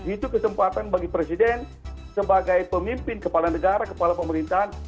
itu kesempatan bagi presiden sebagai pemimpin kepala negara kepala pemerintahan